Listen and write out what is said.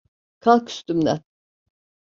Kalk üstümden!